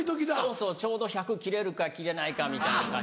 そうそうちょうど１００切れるか切れないかみたいな感じの。